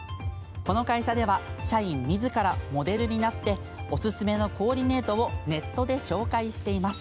この会社では社員みずからモデルになっておすすめのコーディネートをネットで紹介しています。